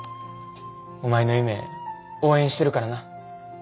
お前の夢応援してるからな。